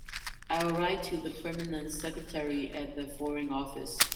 I’ll write to the Permanent Secretary at the Foreign Office.